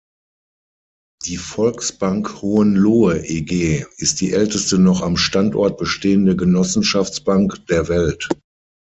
Die Volksbank Hohenlohe eG ist die älteste noch am Standort bestehende Genossenschaftsbank der Welt.